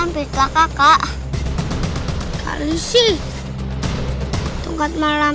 hampir tak kakak kali sih tungkat malam